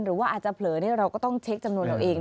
หรือว่าอาจจะเผลอเราก็ต้องเช็คจำนวนเราเอง